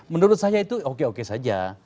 menurut saya itu oke oke saja